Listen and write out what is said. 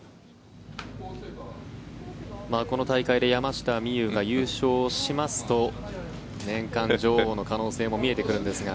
この大会で山下美夢有が優勝しますと年間女王の可能性も見えてくるんですが。